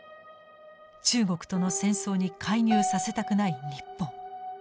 中国との戦争に介入させたくない日本。